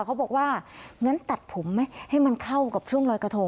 เขาบอกว่างั้นตัดผมไหมให้มันเข้ากับช่วงลอยกระทง